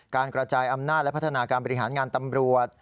กระจายอำนาจและพัฒนาการบริหารงานตำรวจ